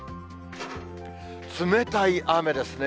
冷たい雨ですね。